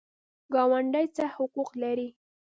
ګاونډي څه حقوق لري؟